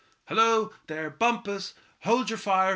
Hello! there, Bumpus, hold your fire.